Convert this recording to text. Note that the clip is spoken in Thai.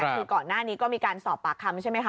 คือก่อนหน้านี้ก็มีการสอบปากคำใช่ไหมคะ